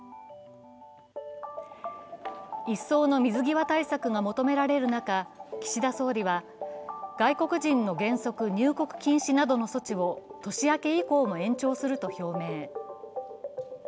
いっそうの水際対策が求められる中、岸田総理は外国人の原則入国禁止などの措置を年明け以降も延長すると表明。